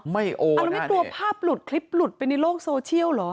ไม่โอนอันนั้นไม่ตัวภาพหลุดคลิปหลุดไปในโลกโซเชียลเหรอ